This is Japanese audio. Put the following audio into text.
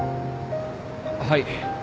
はい。